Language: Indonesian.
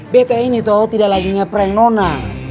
bete ini tuh tidak laginya prank nona